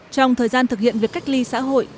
trong thời gian thực hiện việc cách ly xã hội